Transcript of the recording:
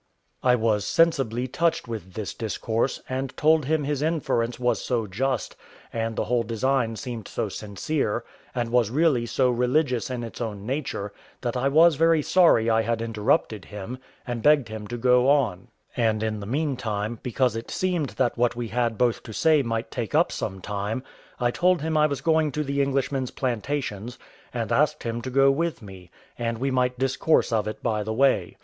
I was sensibly touched with this discourse, and told him his inference was so just, and the whole design seemed so sincere, and was really so religious in its own nature, that I was very sorry I had interrupted him, and begged him to go on; and, in the meantime, because it seemed that what we had both to say might take up some time, I told him I was going to the Englishmen's plantations, and asked him to go with me, and we might discourse of it by the way.